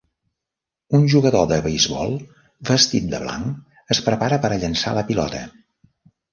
Un jugador de beisbol vestit de blanc es prepara per a llançar la pilota.